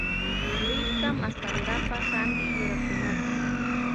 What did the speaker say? Rirka maskankapa hampi yurakunata.